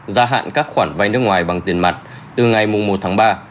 gia hạn các khoản vay nước ngoài bằng tiền mặt từ ngày một tháng ba